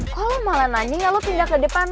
kok lo malah nanya lo pindah ke depan